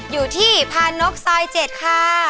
อยู่ที่พานกซอย๗ค่ะ